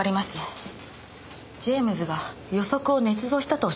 ジェームズが予測を捏造したとおっしゃってるんですか？